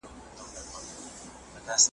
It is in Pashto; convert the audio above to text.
په سړو اوبو د ډنډ کي لمبېدلې .